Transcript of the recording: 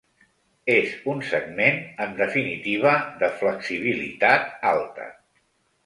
És un segment, en definitiva, de flexibilitat alta.